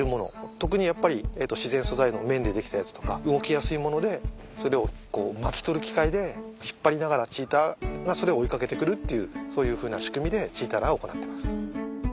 特にやっぱり自然素材の綿で出来たやつとか動きやすいものでそれを巻き取る機械で引っ張りながらチーターがそれを追いかけてくるっていうそういうふうな仕組みでチーターランを行ってます。